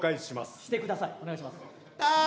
してくださいお願いします。